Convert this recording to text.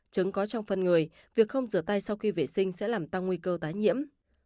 trứng có trong phân người việc không rửa tay sau khi vệ sinh sẽ làm tăng nguy cơ tái nhiễm